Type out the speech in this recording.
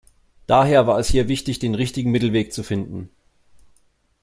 Daher war es hier wichtig, den richtigen Mittelweg zu finden.